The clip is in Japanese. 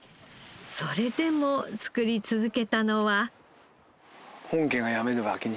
それでも作り続けたのは。